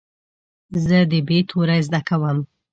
زه د "ب" توری زده کوم.